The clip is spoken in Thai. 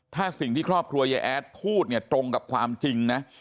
ถ้าสิ่งที่ครอบครัวยายแอดพูดเนี่ยตรงกับความจริงนะ